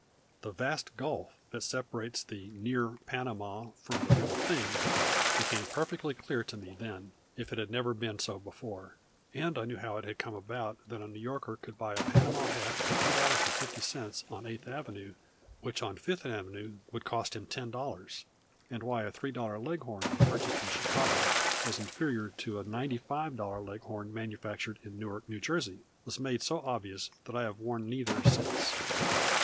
The vast gulf that separates the near Panama from the real thing became perfectly clear to me then, if it had never been so before, and I knew how it had come about that a New Yorker could buy a Panama hat for two dollars and fifty cents on Eighth avenue which on Fifth avenue would cost him ten dollars; and why a three dollar Leghorn purchased in Chicago was inferior to a ninety five dollar Leghorn manufactured in Newark, New Jersey, was made so obvious that I have worn neither since.